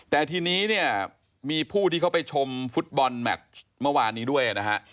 แต่ทีนี้เนี่ยมีผู้ที่เขาไปชมฟุตบอลแมทเมื่อวานนี้ด้วยนะฮะ